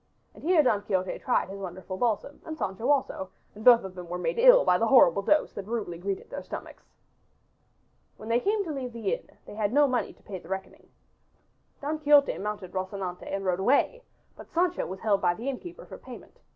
And here Don Quixote tried his wonderful balsam and Sancho also, and both of them were made ill by the horrible dose that rudely greeted their stomachs. When they came to leave the inn they had no money to pay the reckoning. Don Quixote mounted Rocinante and rode away, but Sancho was held by the innkeeper for payment.